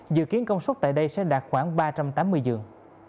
dự kiến công suất tại đây sẽ đạt khoảng ba trăm tám mươi giường